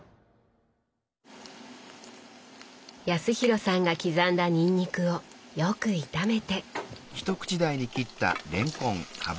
康廣さんが刻んだにんにくをよく炒めて。